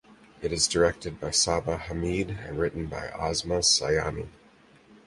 It is directed by Saba Hameed and written by Asma Sayani.